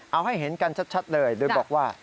เอาให้เห็นกันชัดเลยโดยบอกว่า